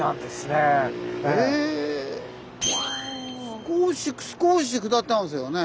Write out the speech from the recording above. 少し少し下ってますよね。